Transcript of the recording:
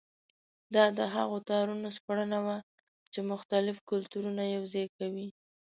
دا د هغو تارونو سپړنه وه چې مختلف کلتورونه یوځای کوي.